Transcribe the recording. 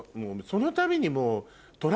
そのたびに。